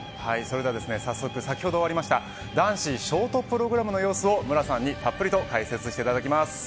それでは早速、先ほど終わった男子ショートプログラムの様子を無良さんにたっぷりと解説していただきます。